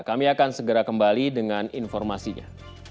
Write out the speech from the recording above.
kami akan segera kembali dengan informasinya